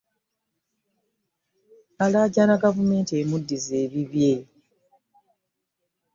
Alaajana gavumenti emuddize ebibye.